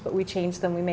tapi kita mengubahnya